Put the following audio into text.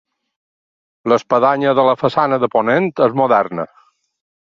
L'espadanya de la façana de ponent és moderna.